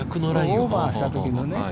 オーバーしたときのね。